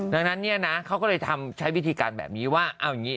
ดังนั้นเขาก็เลยใช้วิธีการแบบนี้ว่า